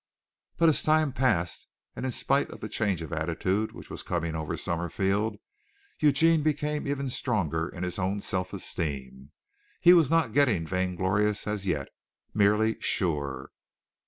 But as time passed and in spite of the change of attitude which was coming over Summerfield, Eugene became even stronger in his own self esteem. He was not getting vainglorious as yet merely sure.